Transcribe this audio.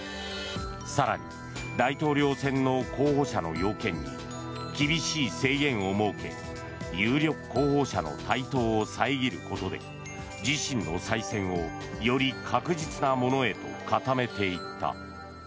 更に、大統領選の候補者の要件に厳しい制限を設け有力候補者の台頭を遮ることで自身の再選をより確実なものへと固めていった。